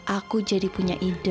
aku jadi punya ide